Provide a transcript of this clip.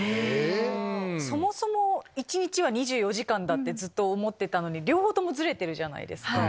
そもそも一日は２４時間だってずっと思ってたのに両方ともズレてるじゃないですか。